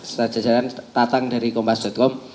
setajajaran tatang dari kompas com